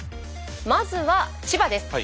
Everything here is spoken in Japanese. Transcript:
まずは千葉です。